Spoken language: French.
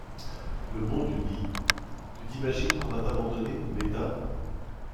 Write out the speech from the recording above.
Le bon Dieu dit: Tu t’imagines qu’on va t’abandonner, bêta!